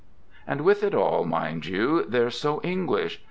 . And with it all, mind you, they're so Eng lish.